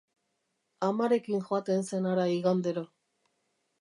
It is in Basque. Amarekin joaten zen hara igandero.